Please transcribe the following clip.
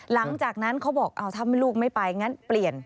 หลังจากนั้นเขาบอกถ้าลูกไม่ไปงั้นเปลี่ยน